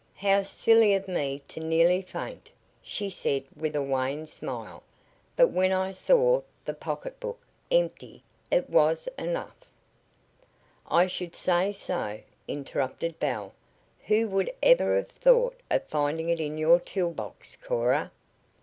"How silly of me to nearly faint," she said with a wan smile. "But when I saw the pocketbook empty it was enough " "I should say so," interrupted Belle. "Who would ever have thought of finding it in your toolbox, Cora?"